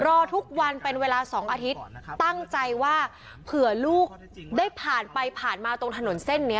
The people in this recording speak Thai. รอทุกวันเป็นเวลา๒อาทิตย์ตั้งใจว่าเผื่อลูกได้ผ่านไปผ่านมาตรงถนนเส้นนี้